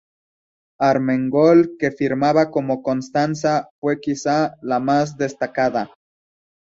Armengol, que firmaba como Constanza, fue quizá la más destacada.